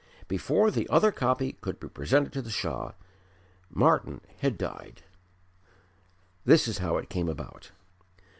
Before the other copy could be presented to the Shah, Martyn had died. This is how it came about.